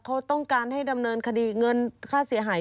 เขาต้องการให้ดำเนินคดีเงินค่าเสียหาย